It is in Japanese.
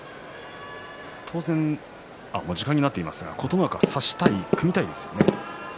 当然時間になっていますが琴ノ若は差したい、組みたいですね。